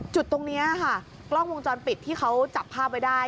จุดตรงนี้ค่ะกล้องวงจรปิดที่เขาจับภาพไว้ได้